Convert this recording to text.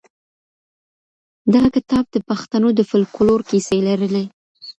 دغه کتاب د پښتنو د فولکلور کیسې لرلې.